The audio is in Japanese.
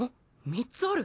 ３つある。